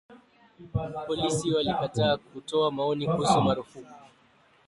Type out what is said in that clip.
Polisi walikataa kutoa maoni kuhusu marufuku